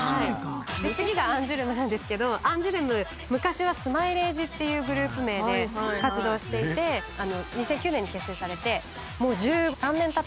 次がアンジュルムなんですけど昔はスマイレージっていうグループ名で活動していて２００９年に結成されてもう１３年たってますので。